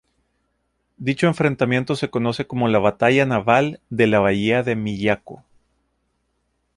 Dicho enfrentamiento se conoce como la batalla naval de la bahía de Miyako.